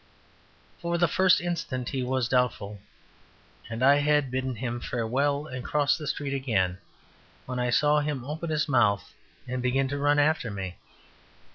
For the first instant he was doubtful; and I had bidden him farewell, and crossed the street again, when I saw him open his mouth and begin to run after me.